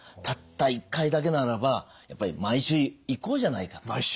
たった一回だけならばやっぱり毎週行こうじゃないかと。